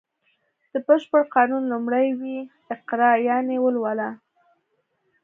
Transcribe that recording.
د بشپړ قانون لومړی ویی اقرا یانې ولوله و